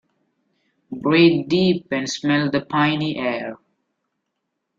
Breathe deep and smell the piny air.